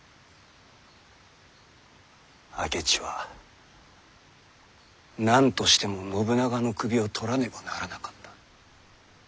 明智は何としても信長の首を取らねばならなかった。